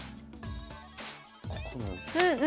ここなんですよ。